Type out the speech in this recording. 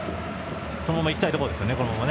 そのまま行きたいところですよね。